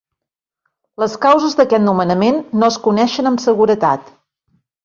Les causes d'aquest nomenament no es coneixen amb seguretat.